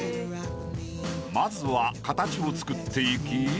［まずは形を作っていき］